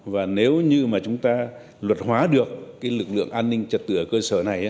và nếu như chúng ta luật hóa được lực lượng an ninh trật tự ở cơ sở này